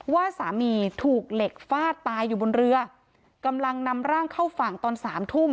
ว่าสามีถูกเหล็กฟาดตายอยู่บนเรือกำลังนำร่างเข้าฝั่งตอนสามทุ่ม